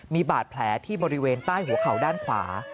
มีบาดแผลที่บริเวณใต้หัวเข่าด้านขวา